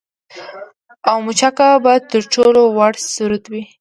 او مچکه به تر ټولو وُړ سرود وي